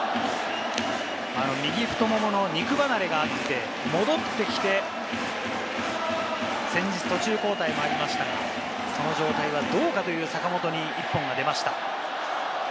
右太ももの肉離れがあって戻ってきて、先日、途中交代もありましたが、その状態はどうかという坂本に１本が出ました。